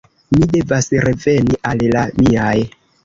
Mi devas reveni al la miaj.